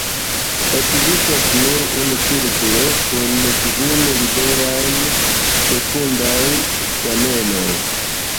Ekzistas nur unu cirklo kun kvin liberaj, fekundaj stamenoj.